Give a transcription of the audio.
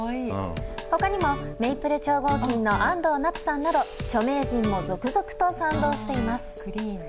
他にも、メイプル超合金の安藤なつさんなど著名人も続々と賛同しています。